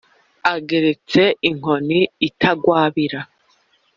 ageretse inkoni itagwabira